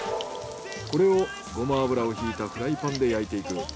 これをゴマ油をひいたフライパンで焼いていく。